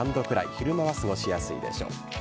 昼間は過ごしやすいでしょう。